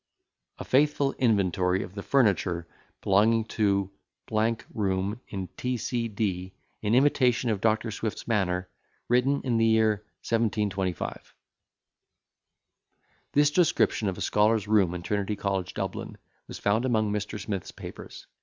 A FAITHFUL INVENTORY OF THE FURNITURE BELONGING TO ROOM IN T. C. D. IN IMITATION OF DR. SWIFT'S MANNER. WRITTEN IN THE YEAR 1725 quaeque ipse miserrima vidi. This description of a scholar's room in Trinity College, Dublin, was found among Mr. Smith's papers.